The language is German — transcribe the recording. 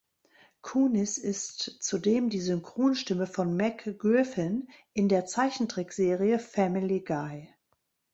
Kunis ist zudem die Synchronstimme von Meg Griffin in der Zeichentrickserie "Family Guy".